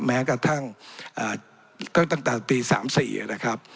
แม้กระทั่งก็ตั้งแต่ปี๓๔นะครับ